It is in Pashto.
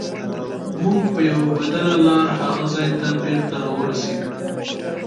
موږ په یوه بدله لار هغه ځای ته بېرته راورسیدلو.